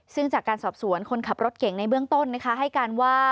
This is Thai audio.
ซึ่งจากการสอบสวนคนขับรถเก่งในเบื้องต้นนะคะให้การว่า